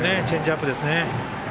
チェンジアップですね。